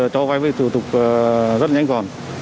cho vay với thủ tục rất nhanh gọn